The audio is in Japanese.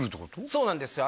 そうなんですよ